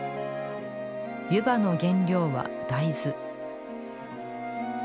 湯葉の原料は大豆。